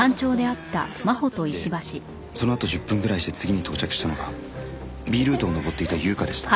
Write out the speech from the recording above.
でそのあと１０分ぐらいして次に到着したのがＢルートを登っていた優花でした。